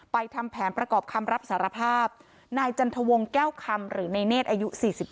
ทำแผนประกอบคำรับสารภาพนายจันทวงแก้วคำหรือในเนธอายุ๔๒